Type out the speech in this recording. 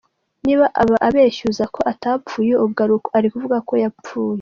Niba abeshyuza ko atapfuye ubwo ni ukuvuga ko yapfuye.